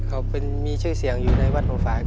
เขามีชื่อเสียงอยู่ในวัดหัวฝ่าย